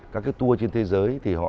các cái tour trên thế giới thì họ